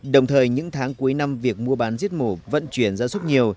đồng thời những tháng cuối năm việc mua bán giết mổ vận chuyển gia súc nhiều